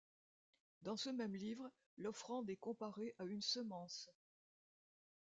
Dans ce même livre, l’offrande est comparée à une semence.